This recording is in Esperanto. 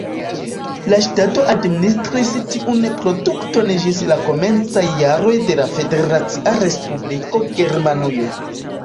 La ŝtato administris tiun produkton ĝis la komencaj jaroj de la Federacia Respubliko Germanujo.